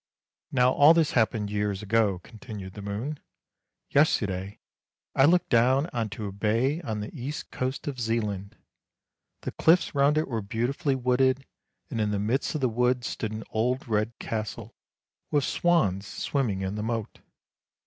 " Now all this happened years ago," continued the moon. " Yesterday I looked down on to a bay on the east coast of Zealand. The cliffs round it were beautifully wooded, and in the midst of the woods stood an old red castle, with swans swimming in the moat.